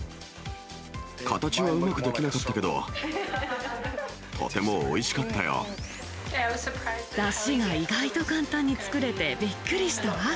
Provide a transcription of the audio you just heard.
形はうまくできなかったけど、だしが意外と簡単に作れて、びっくりしたわ。